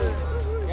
aku mau berbicara